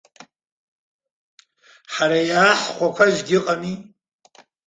Ҳара иааҳхәақәазгьы ыҟами.